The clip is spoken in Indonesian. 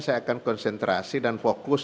saya akan konsentrasi dan fokus